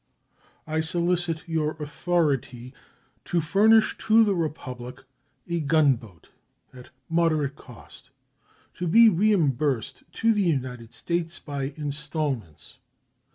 I solicit your authority to furnish to the Republic a gunboat at moderate cost, to be reimbursed to the United States by installments.